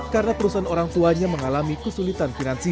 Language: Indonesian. karena perusahaan orang tuanya mengalami kesulitan finansial